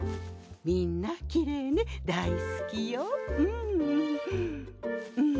みんなきれいね大好きよ。